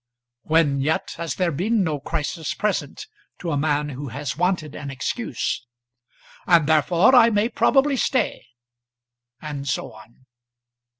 When yet has there been no crisis present to a man who has wanted an excuse? "And therefore I may probably stay," and so on.